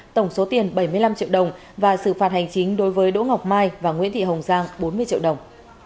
tổng số tiền bảy mươi năm triệu đồng và xử phạt hành chính đối với đỗ ngọc mai và nguyễn thị hồng giang bốn mươi triệu đồng